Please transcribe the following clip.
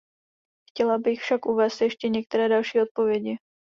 Chtěla bych však uvést ještě některé další odpovědi.